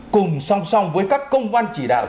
cùng song song với các công văn chỉ đạo